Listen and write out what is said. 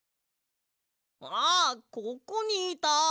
あここにいた！